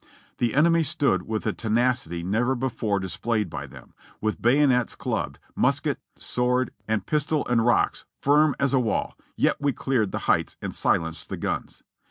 "The enemy stood with a tenacity never before displayed by them, with bayonets clubbed, musket, sword, and pistol and rocks, firm as a wall, yet we cleared the heights and silenced the guns.